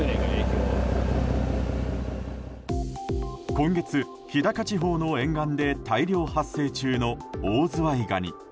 今月、日高地方の沿岸で大量発生中のオオズワイガニ。